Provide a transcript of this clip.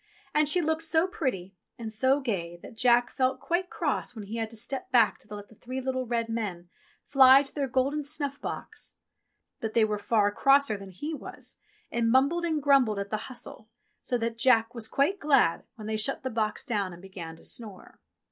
And she looked so pretty and so gay that Jack felt quite cross when he had to step back to let the three little red men fly to their golden snuff 44 ENGLISH FAIRY TALES box. But they were far crosser than he was, and mumbled and grumbled at the hustle, so that Jack was quite glad when they shut the box down and began to snore.